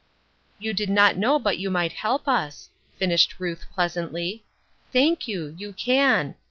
" You did not know but you might help us," finished Ruth pleasantly. "Thank you ; you can.